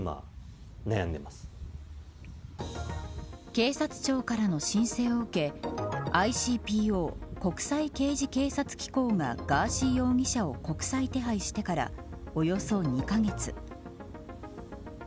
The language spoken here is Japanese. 警察庁からの申請を受けＩＣＰＯ国際刑事警察機構がガーシー容疑者を国際手配してからおよそ２カ月。